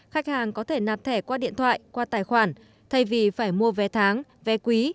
khách hàng có thể nạp thẻ qua điện thoại qua tài khoản thay vì phải mua vé tháng vé quý